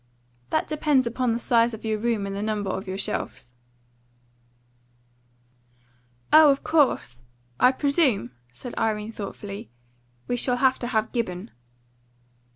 "That depends upon the size of your room and the number of your shelves." "Oh, of course! I presume," said Irene, thoughtfully, "we shall have to have Gibbon."